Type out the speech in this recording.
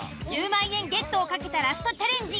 １０万円ゲットを懸けたラストチャレンジ。